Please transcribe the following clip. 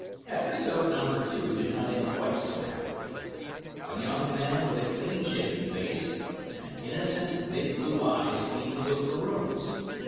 Episode number two did not end quite so happily. A young man with a clean shaven face, and innocent, big blue eyes came to look for rooms.